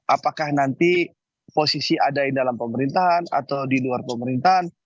apakah nanti posisi ada yang dalam pemerintahan atau di luar pemerintahan